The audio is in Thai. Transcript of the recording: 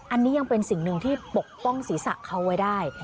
อันนี้ยังเป็นสิ่งหนึ่งที่ปกป้องศีรษะเขาไว้ได้